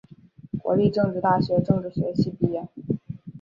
国立政治大学政治学系毕业。